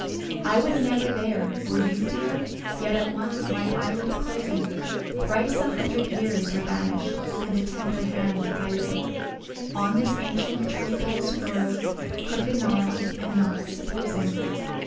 I was never there ; were you, dear ? Yet at once, my eyelids closing. Thrice a hundred years are vanished, and a tender hand I lay On this ancient tree bole's furrows, crooked gnarls and knots, supposing.